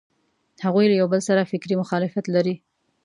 هغوی له یوبل سره فکري مخالفت لري.